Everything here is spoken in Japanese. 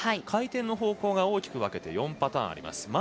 回転の方向が大きく分けて４パターンあります。